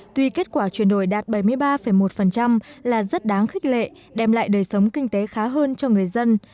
tuy kết quả chuyển đổi đạt bảy mươi ba một là rất đáng khích lệ đem lại đời sống kinh tế khá hơn cho người dân